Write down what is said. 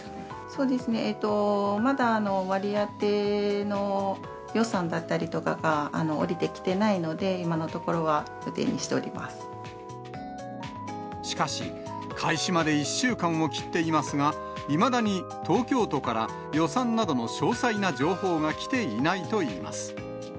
そうですね、まだ割り当ての予算だったりとかが下りてきてないので、今のとこしかし、開始まで１週間を切っていますが、いまだに東京都から予算などの詳細な情報が来ていないといいます。